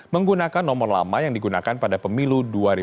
menggunakan nomor lama yang digunakan pada pemilu dua ribu sembilan belas